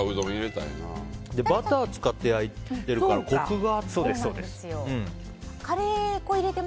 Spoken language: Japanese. バターを使って焼いているからコクがあっていい。